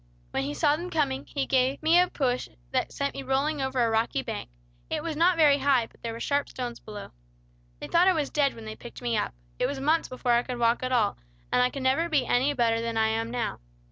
When he saw them coming, he gave me a great push that sent me rolling over a rocky bank. It was not very high, but there were sharp stones below. "They thought I was dead when they picked me up. It was months before I could walk at all; and I can never be any better than I am now.